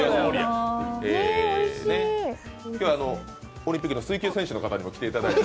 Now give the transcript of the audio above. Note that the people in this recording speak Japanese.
オリンピックの水球選手の方にも来ていただいて。